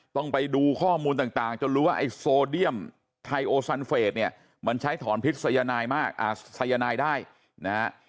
ต้องไปดูข้อมูลต่างจนรู้ว่าไอ้โซเดียมไทโอซันเฟสเนี่ยมันใช้ถอนพิษยนายมากสายนายได้นะฮะ